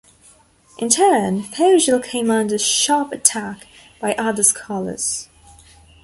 In turn Fogel came under sharp attack by other scholars.